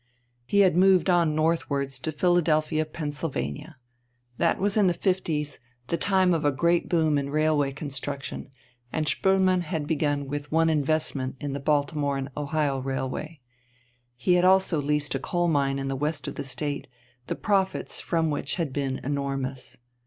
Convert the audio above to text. He had moved on northwards to Philadelphia, Pa. That was in the fifties, the time of a great boom in railway construction, and Spoelmann had begun with one investment in the Baltimore and Ohio Railway. He had also leased a coal mine in the west of the State, the profits from which had been enormous.